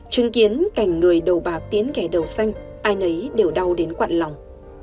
chứng kiến cảnh người đầu bạc tiến kẻ đầu xanh ai nấy đều đau đến quặn lòng